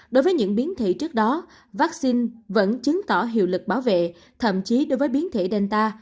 đối với những biến thể trước đó vaccine vẫn chứng tỏ hiệu lực bảo vệ thậm chí đối với biến thể danta